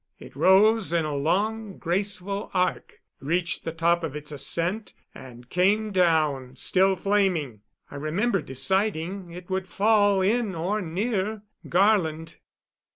It rose in a long, graceful arc, reached the top of its ascent, and came down, still flaming. I remember deciding it would fall in or near Garland.